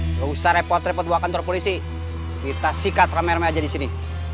nggak usah repot repot bawa kantor polisi kita sikat ramai ramai aja di sini